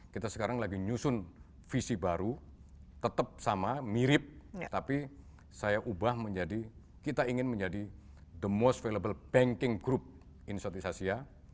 kita sekarang lagi nyusun visi baru tetap sama mirip tapi saya ubah menjadi kita ingin menjadi the most valuable banking group in southeast asia